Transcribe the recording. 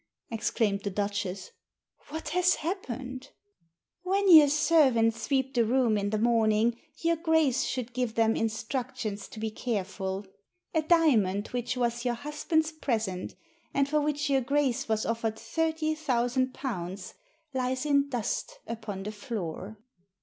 exclaimed the Duchess. "What has happened?" Digitized by VjOOQIC THE DIAMONDS 221 "When your servants sweep the room in the morn ing your Grace should give them instructions to be careful. A diamond which was your husband's present, and for which your Grace was offered thirty thousand pounds, lies in dust upon the floor."